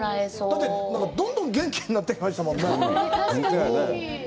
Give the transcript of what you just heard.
だって、元気になってきましたもんね。